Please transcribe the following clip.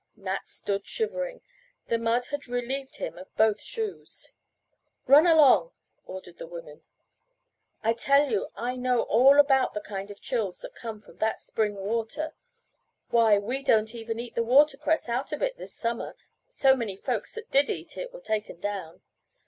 Nat stood shivering. The mud had relieved him of both shoes. "Run along," ordered the woman, "I tell you I know all about the kind of chills that come from that spring water. Why, we don't even eat the watercress out of it this summer, so many folks that did eat it were taken down.